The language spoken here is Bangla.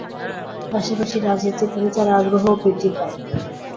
পাশাপাশি রাজনীতির প্রতি তাঁর আগ্রহও বৃদ্ধি পায়।